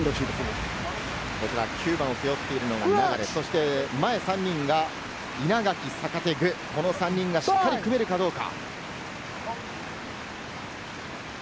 ９番を背負ってるのが流、前３人が稲垣、坂手、具、３人がしっかり組めるかどうか。